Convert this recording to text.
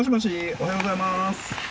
おはようございます。